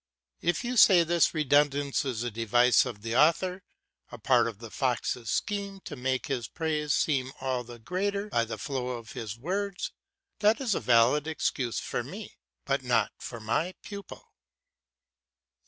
If you say this redundance is a device of the author, a part of the fox's scheme to make his praise seem all the greater by his flow of words, that is a valid excuse for me, but not for my pupil.